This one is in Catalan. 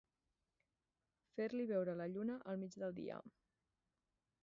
Fer-li veure la lluna al mig del dia.